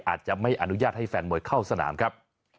อาจจะไม่อนุญาตให้แฟนมวยเข้าสนามครับ